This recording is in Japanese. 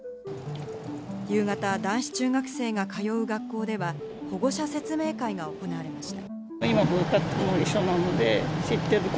夕方、男子中学生が通う学校では、保護者説明会が行われました。